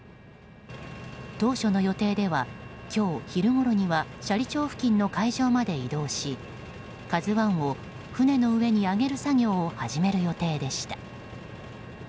当初の予定では、今日昼ごろには斜里町付近の海上まで移動し「ＫＡＺＵ１」を船の上に上げる作業を始める予定でした。